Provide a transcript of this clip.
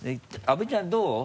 阿部ちゃんどう？